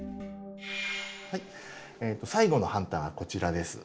はい最後のハンターがこちらです。